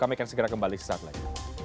kami akan segera kembali sesaat lagi